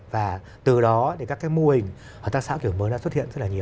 và từ đó thì các cái mô hình hợp tác xã kiểu mới đã xuất hiện rất là nhiều